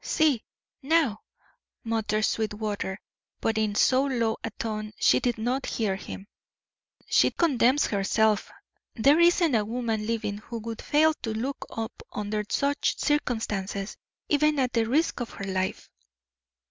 "See, now!" muttered Sweetwater, but in so low a tone she did not hear him. "She condemns herself. There isn't a woman living who would fail to look up under such circumstances, even at the risk of her life."